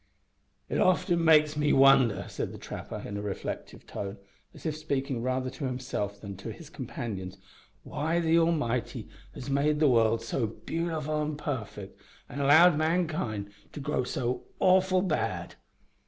"It often makes me wonder," said the trapper, in a reflective tone, as if speaking rather to himself than to his companions, "why the Almighty has made the world so beautiful an' parfect an' allowed mankind to grow so awful bad."